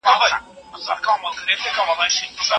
سایبر امنیتي څارنه هره ورځ روانه وي.